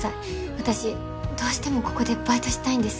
私どうしてもここでバイトしたいんです